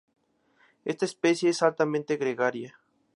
Esta especie es altamente gregaria.